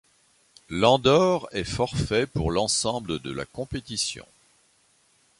L'Andorre est forfait pour l'ensemble de la compétition.